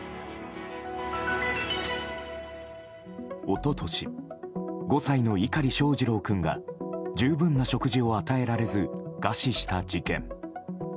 一昨年、５歳の碇翔士郎君が十分な食事を与えられず餓死した事件。